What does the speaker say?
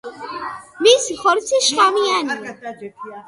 მისი ხორცი შხამიანია.